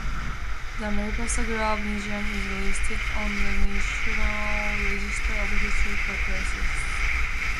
The Mariposa Grove Museum is listed on the National Register of Historic Places.